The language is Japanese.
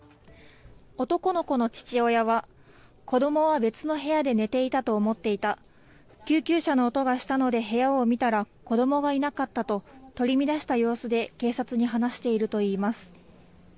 男の子の父親は子どもは別の部屋で寝ていたと思っていた救急車の音がしたので部屋を見たら子どもがいなかったと取り乱した様子で警察に話しているといいます。